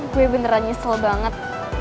gue beneran nyesel banget